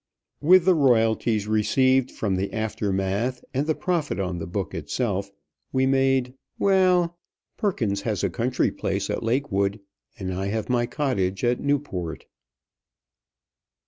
With the royalties received from the after math and the profit on the book itself, we made well, Perkins has a country place at Lakewood, and I have my cottage at Newport.